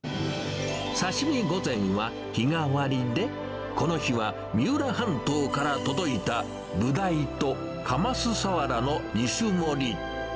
刺身御膳は日替わりで、この日は三浦半島から届いたブダイとカマスサワラの２種盛り。